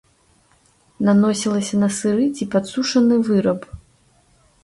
Наносілася на сыры ці падсушаны выраб.